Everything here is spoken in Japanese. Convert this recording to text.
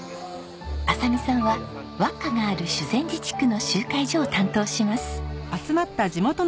亜沙美さんはわっかがある修善寺地区の集会所を担当します。